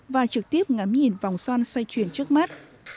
và trực tiếp ngắm nhìn vòng xoan xoay chuyển trước mắt